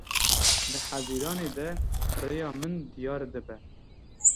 Di hezîranê de rêya min diyar dibe.